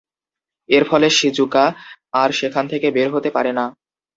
এর ফলে শিজুকা আর সেখান থেকে বের হতে পারেনা।